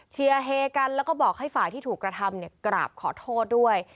เชียร์เฮกันแล้วก็บอกให้ฝ่ายที่ถูกกระทำกราบขอโทษด้วย